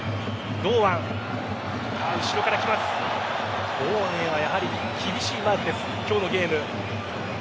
堂安にはやはり厳しいマークです、今日のゲーム。